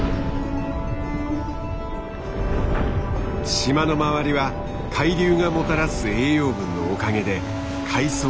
島の周りは海流がもたらす栄養分のおかげで海藻が育つ。